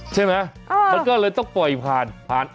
ใช่ไหมมันก็เลยต้องปล่อยผ่านผ่าน